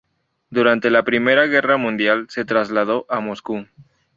Durante la I Guerra Mundial, se trasladó a Moscú.